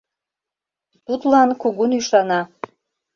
Тудлан кугун ӱшана.